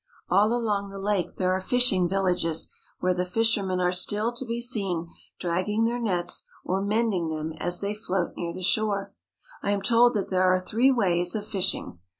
All along the lake there are fishing villages where the fishermen are still to be seen dragging their nets or mending them as they float near the shore. I am told that there are three ways of fishing.